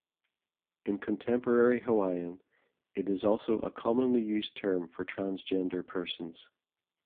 In contemporary Hawaiian it is also a commonly used term for transgender persons.